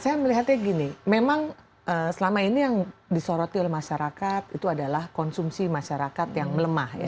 saya melihatnya gini memang selama ini yang disoroti oleh masyarakat itu adalah konsumsi masyarakat yang melemah ya